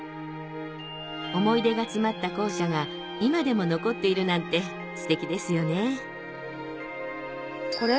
思い出が詰まった校舎が今でも残っているなんてステキですよねこれ？